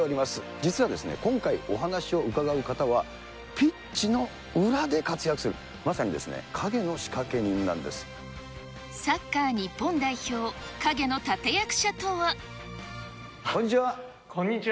実はですね、今回、お話を伺う方はピッチの裏で活躍する、サッカー日本代表、陰の立てこんにちは。